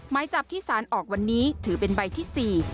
หมายจับที่สารออกวันนี้ถือเป็นใบที่๔